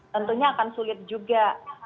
tentunya akan sulit juga